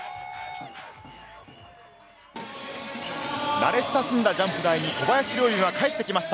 慣れ親しんだジャンプ台に小林陵侑が帰ってきました。